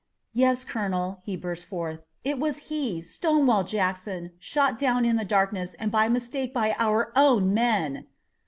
"Yes, Colonel," he burst forth. "It was he, Stonewall Jackson, shot down in the darkness and by mistake by our own men!"